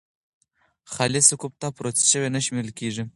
خالصه کوفته پروسس شوې نه شمېرل کېږي.